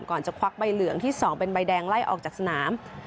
ก่อนจะควักใบเหลืองที่๒เป็นใบแดงไล่ออกจากสนาม